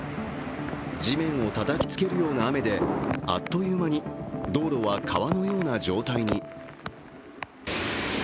地面をたたきつけるような雨であっという間に道路は川のような状態に。